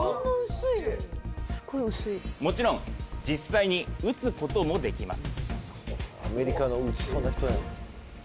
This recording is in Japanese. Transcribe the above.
もちろん実際に撃つこともできます。